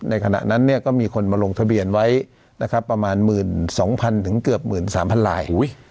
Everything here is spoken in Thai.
ขณะนั้นก็มีคนมาลงทะเบียนไว้นะครับประมาณ๑๒๐๐๐ถึงเกือบ๑๓๐๐ลาย